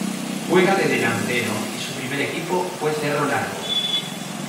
Juega de delantero y su primer equipo fue Cerro Largo.